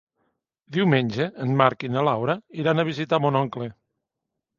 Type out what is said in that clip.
Diumenge en Marc i na Laura iran a visitar mon oncle.